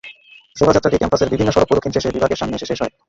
শোভাযাত্রাটি ক্যাম্পাসের বিভিন্ন সড়ক প্রদক্ষিণ শেষে বিভাগের সামনে এসে শেষ হয়।